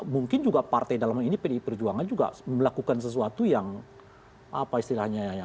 mungkin juga partai dalam ini pdi perjuangan juga melakukan sesuatu yang apa istilahnya ya